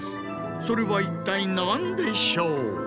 それは一体何でしょう？